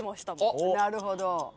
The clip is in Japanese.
なるほど。